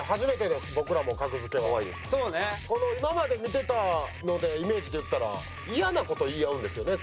この今まで見てたのでイメージでいったら嫌な事言い合うんですよね？